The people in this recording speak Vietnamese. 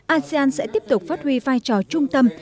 asean sẽ tiếp tục phát huy vai trò trung tâm